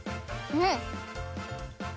うん。